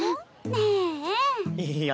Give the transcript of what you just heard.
ねえ。いや。